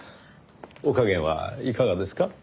お加減はいかがですか？